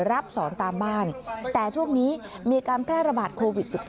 รับสอนตามบ้านแต่ช่วงนี้มีการแพร่ระบาดโควิด๑๙